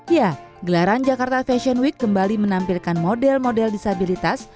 ya gelaran jakarta fashion week kembali menampilkan model model disabilitas